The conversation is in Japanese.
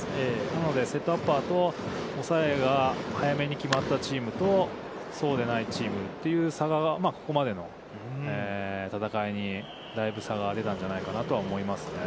なのでセットアッパーと抑えが早めに決まったチームとそうでないチームという差が、ここまでの戦いに、だいぶ差が出たんじゃないかと思いますね。